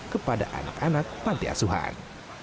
kepada anak anak panti asuhan